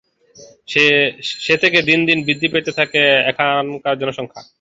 সে থেকে দিন দিন বৃদ্ধি পেতে থাকে এখানের জনসংখ্যা।